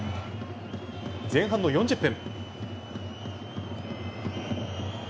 前半の４０分。